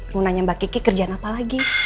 mau nanya mbak kiki kerjaan apa lagi